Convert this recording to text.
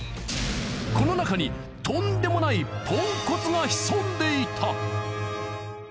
この中にとんでもないポンコツが潜んでいた！